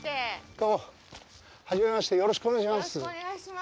どうも初めましてよろしくお願いします。